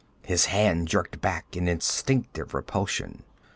His hand jerked back in instinctive repulsion.